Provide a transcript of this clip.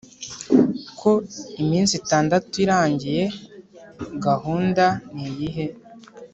ko iminsi itandatu irangiye, gahunda niyihe?